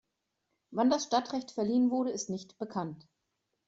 Wann das Stadtrecht verliehen wurde, ist nicht bekannt.